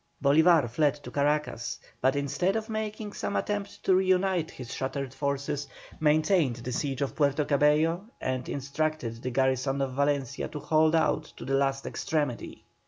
Bolívar fled to Caracas, but instead of making some attempt to reunite his shattered forces, maintained the siege of Puerto Cabello and instructed the garrison of Valencia to hold out to the last extremity.